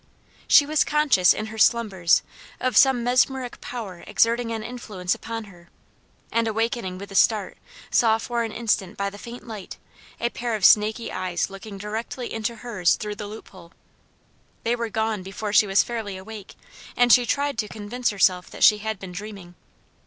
She was conscious in her slumbers of some mesmeric power exerting an influence upon her, and awakening with a start saw for an instant by the faint light, a pair of snaky eyes looking directly into hers through the loop hole. They were gone before she was fairly awake, and she tried to convince herself that she had been dreaming.